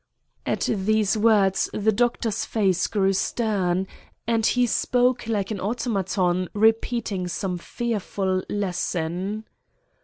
At these words the Doctor's face grew stern, and he spoke like an automaton repeating some fearful lesson.